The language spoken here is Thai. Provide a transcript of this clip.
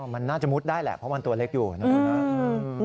มันน่าจะมุดได้แหละเพราะมันตัวเล็กอยู่นะครับ